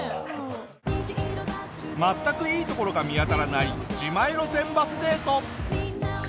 全くいいところが見当たらない自前路線バスデート。